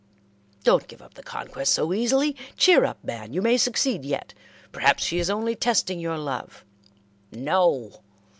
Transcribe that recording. "Don't give up the conquest so easily. Cheer up, man, you may succeed yet. Perhaps she is only testing your love." "No!